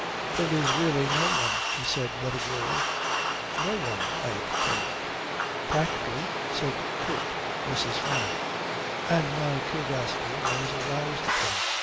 "There is really no one," he said, very grave. "No one," I exclaimed. "Practically," said curt Mrs. Fyne. And my curiosity was aroused again.